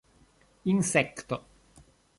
insekto